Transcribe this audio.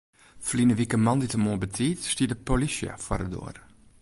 Ferline wike moandeitemoarn betiid stie de polysje foar de doar.